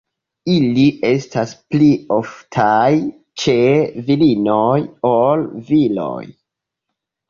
Ili estas pli oftaj ĉe virinoj ol viroj.